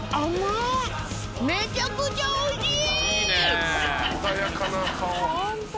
めちゃくちゃおいしい！